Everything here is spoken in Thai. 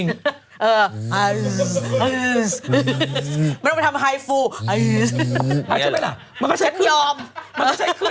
เออเอือมันต้องไปทำไฮฟู